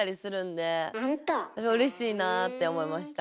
だからうれしいなって思いました。